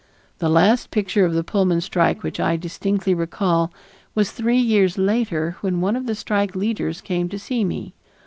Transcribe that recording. The last picture of the Pullman strike which I distinctly recall was three years later when one of the strike leaders came to see me.